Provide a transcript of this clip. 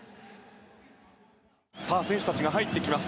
選手たちが入ってきます。